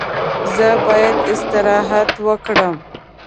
زه باید استراحت وکړم.